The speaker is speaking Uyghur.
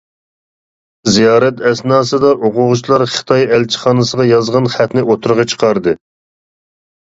زىيارەت ئەسناسىدا ئوقۇغۇچىلار خىتاي ئەلچىخانىسىغا يازغان خەتنى ئوتتۇرىغا چىقاردى.